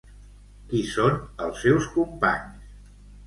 Qui són els seus companys?